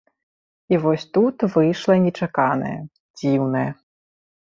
І вось тут выйшла нечаканае, дзіўнае.